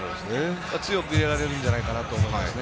強くいられるんじゃないかと思いますね。